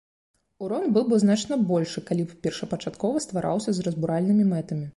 Урон быў бы значна большы, калі б першапачаткова ствараўся з разбуральнымі мэтамі.